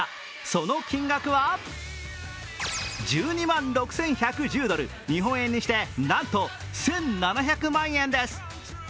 その金額は１２万６１１０ドル、日本円にしてなんと１７００万円です。